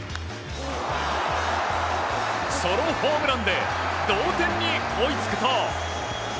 ソロホームランで同点に追いつくと。